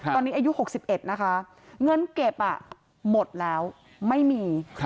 ตอนนี้อายุ๖๑นะคะเงินเก็บหมดแล้วไม่มี